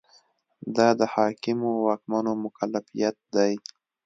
دا د حاکمو واکمنو مکلفیت دی.